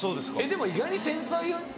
でも意外に繊細。